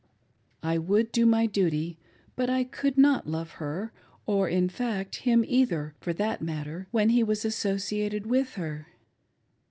I would do my duty, but I could not loVe her, or, in fact, him either for that matter, when he was asso ciated with her.